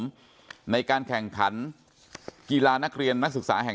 คุณยายบอกว่ารู้สึกเหมือนใครมายืนอยู่ข้างหลัง